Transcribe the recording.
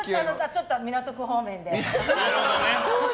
ちょっと港区方面で。